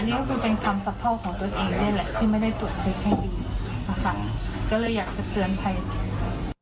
อันนี้ก็คือเป็นความสะเทาของตัวเองได้แหละ